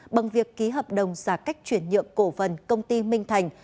bằng việc ký hợp đồng giả cách chuyển nhượng cổ vần công ty minh thành